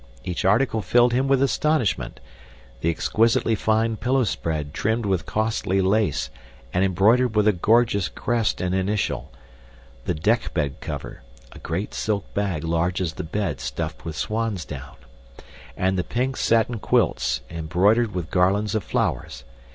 Each article filled him with astonishment the exquisitely fine pillow spread trimmed with costly lace and embroidered with a gorgeous crest and initial, the dekbed cover (a great silk bag, large as the bed, stuffed with swan's down), and the pink satin quilts, embroidered with garlands of flowers.